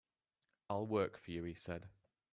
"I'll work for you," he said.